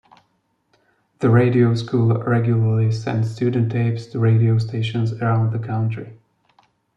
The radio school regularly sent student tapes to radio stations around the country.